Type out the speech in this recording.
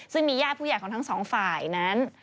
ซึ่งมีญาติผู้ใหญ่ของทั้งสองฝ่ายนั้น